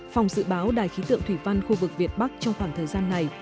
phòng dự báo đài khí tượng thủy văn khu vực việt bắc trong khoảng thời gian này